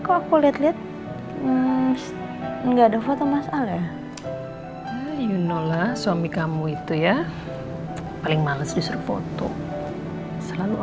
kamu tengok udah ga pepper alla